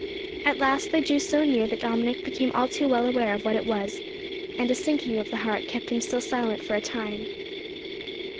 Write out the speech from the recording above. At last they drew so near that Dominick became all too well aware of what it was, and a sinking of the heart kept him still silent for a time.